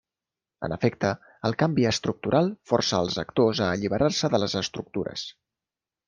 En efecte, el canvi estructural força els actors a alliberar-se de les estructures.